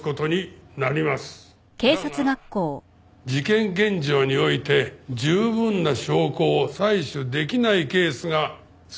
だが事件現場において十分な証拠を採取できないケースが少なくない。